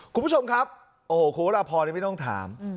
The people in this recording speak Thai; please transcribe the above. คุณผู้ชมครับโอ้โหคุณวรพรไม่ต้องถาม